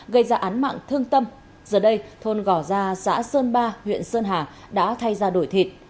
gây ra án mạng thương tâm giờ đây thôn gò gia xã sơn ba huyện sơn hà đã thay ra đổi thịt